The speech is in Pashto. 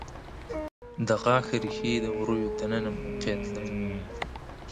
د غاښ ریښې د وریو د ننه موقعیت لري.